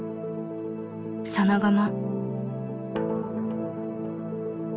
その後も。